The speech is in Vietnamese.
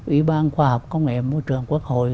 ủy ban khoa học công nghệ môi trường quốc hội